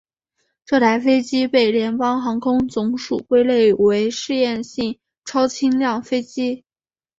这台飞机被联邦航空总署归类为实验性超轻量飞机。